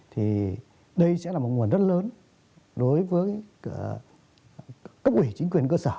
thì đây sẽ là một nguồn rất lớn đối với cấp ủy chính quyền cơ sở